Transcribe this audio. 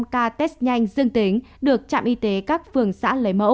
hai trăm một mươi năm ca test nhanh dương tính được trạm y tế các phường xã lấy mẫu